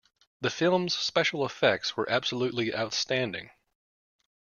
The film's special effects were absolutely outstanding.